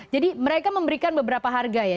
jadi mereka memberikan beberapa harga ya